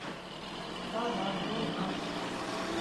Таҙа йыуылған.